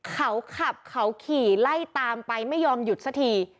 เขาขับเขาขี่ไล่ตามไปไม่ยอมหยุดสักที